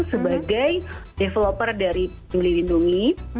sebagai developer dari peduli lindungi